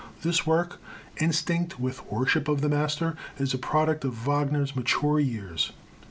This work, instinct with worship of the master, is a product of Wagner's mature years.